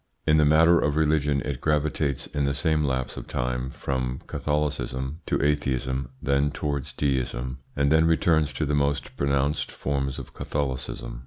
In the matter of religion it gravitates in the same lapse of time from Catholicism to atheism, then towards deism, and then returns to the most pronounced forms of Catholicism.